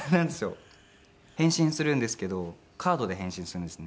変身するんですけどカードで変身するんですね。